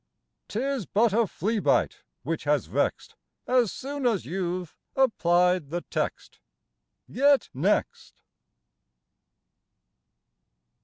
'T is but a flea bite which has vexed As soon as you've applied the text Get Next.